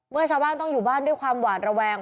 เมื่อชาวบ้านต้องอยู่บ้านด้วยความหวาดระแวง